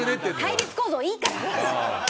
対立構造いいから。